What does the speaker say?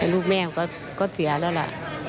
ลูกแม่ก็เสียแล้วล่ะ